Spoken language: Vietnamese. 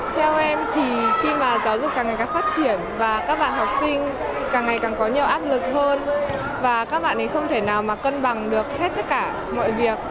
theo em thì khi mà giáo dục càng ngày càng phát triển và các bạn học sinh càng ngày càng có nhiều áp lực hơn và các bạn ấy không thể nào mà cân bằng được hết tất cả mọi việc